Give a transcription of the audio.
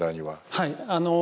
はい。